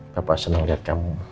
papa seneng liat kamu